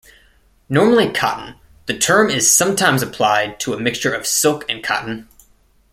Normally cotton, the term is sometimes applied to a mixture of silk and cotton.